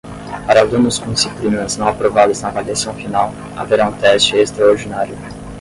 Para alunos com disciplinas não aprovadas na avaliação final, haverá um teste extraordinário.